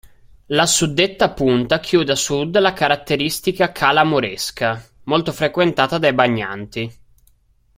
La suddetta punta chiude a sud la caratteristica Cala Moresca, molto frequentata dai bagnanti.